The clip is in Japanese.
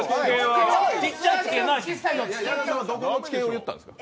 矢田さんはどこの地形を言ったんですか。